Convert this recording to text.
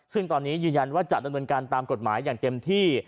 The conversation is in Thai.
ซึ่งตอนนี้ยืนยันว่าจะดำเนินการตามกฎหมายอย่างเต็มที่